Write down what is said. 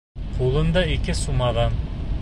Ҡулында ике сумаҙан.